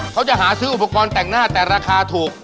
เขาจะหาซื้ออุปกรณ์แต่งหน้าแต่ราคาถูก